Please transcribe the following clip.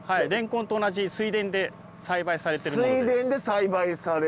れんこんと同じ水田で栽培されてるものです。